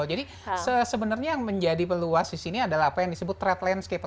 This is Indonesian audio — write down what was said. jadi sebenarnya yang menjadi meluas di sini adalah apa yang disebut threat landscape